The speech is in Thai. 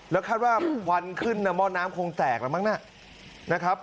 แล้วคาดว่าควันขึ้นหม้อน้ำคงแตกแล้วมั้งนะครับ